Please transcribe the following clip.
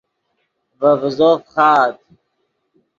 ڤے ڤیزو فخآت